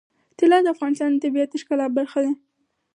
طلا د افغانستان د طبیعت د ښکلا برخه ده.